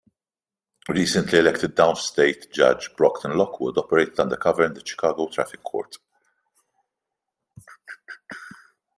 Recently elected downstate judge Brocton Lockwood operated undercover in the Chicago Traffic Court.